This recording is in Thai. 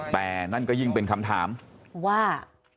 แต่นั่นก็ยิ่งเป็นคำถามว่า